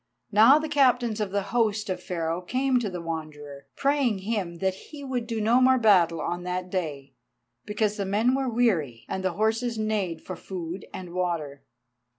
Now the Captains of the host of Pharaoh came to the Wanderer, praying him that he would do no more battle on that day, because the men were weary, and the horses neighed for food and water.